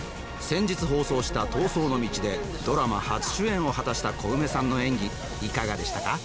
先日放送した「逃走の道」でドラマ初主演を果たしたコウメさんの演技いかがでしたか？